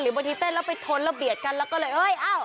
บางทีเต้นแล้วไปชนแล้วเบียดกันแล้วก็เลยเอ้ยอ้าว